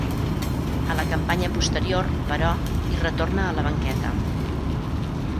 A la campanya posterior, però, hi retorna a la banqueta.